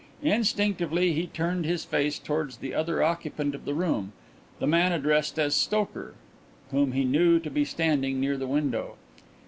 Instinctively he turned his face towards the other occupant of the room, the man addressed as "Stoker," whom he knew to be standing near the window.